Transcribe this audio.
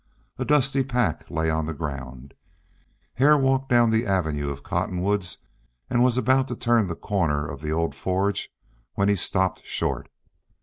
A dusty pack lay on the ground. Hare walked down the avenue of cottonwoods and was about to turn the corner of the old forge when he stopped short.